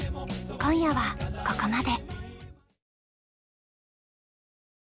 今夜はここまで。